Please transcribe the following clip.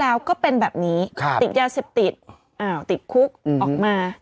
แล้วก็เป็นแบบนี้ติดยาเสพติดอ้าวติดคุกออกมา